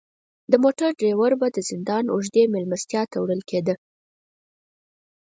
د موټر دریور به د زندان اوږدې میلمستیا ته وړل کیده.